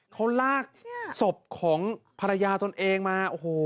เขาลากศพของภรรยาตนเองมาโอ้โห